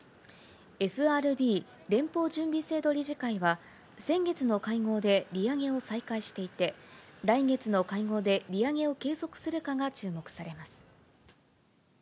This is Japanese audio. ＦＲＢ・連邦準備制度理事会は、先月の会合で利上げを再開していて、来月の会合で利上げを継続するかが注目されます。